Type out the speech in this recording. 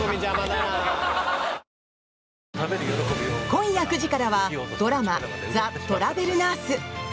今夜９時からはドラマ「ザ・トラベルナース」。